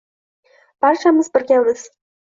Barchamiz birgamiz